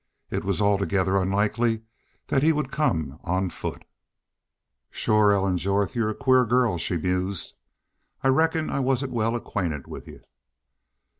It was altogether unlikely that he would come on foot. "Shore, Ellen Jorth, y'u're a queer girl," she mused. "I reckon I wasn't well acquainted with y'u."